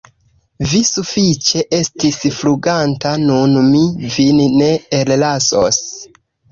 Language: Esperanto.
Vi sufiĉe estis fluganta, nun mi vin ne ellasos!